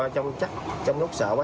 do trong lúc sợ quá